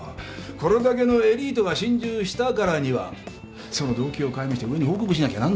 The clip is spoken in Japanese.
これだけのエリートが心中したからにはその動機を解明して上に報告しなきゃなんないんだよ。